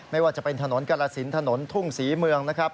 ไม่ว่าจะเป็นถนนกรสินถนนทุ่งศรีเมืองนะครับ